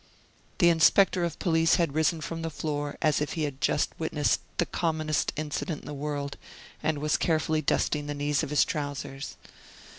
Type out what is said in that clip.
The inspector of police had risen from the floor as if he had just witnessed the commonest incident in the world, and was carefully dusting the knees of his trousers.